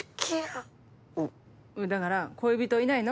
だから恋人いないの？